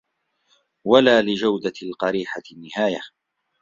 وَلَا لِجُودَةِ الْقَرِيحَةِ نِهَايَةٌ